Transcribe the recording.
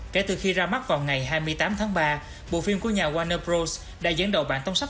kể từ khi ra mắt vào ngày hai mươi tám tháng ba bộ phim của nhà warner bros đã dẫn đầu bản tông sách